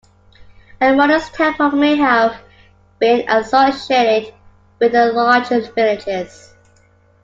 A modest temple may have been associated with the larger villages.